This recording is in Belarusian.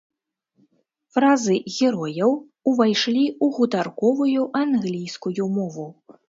Фразы герояў ўвайшлі ў гутарковую англійскую мову.